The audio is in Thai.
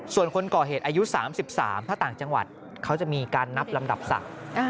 ส่วนคนก่อเหตุอายุ๓๓ถ้าต่างจังหวัดเขาจะมีการนับลำดับศักดิ์